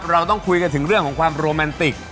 เราต้องคุยกันถึงเรื่องของความโรแมนติก